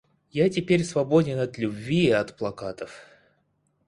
Я теперь свободен от любви и от плакатов.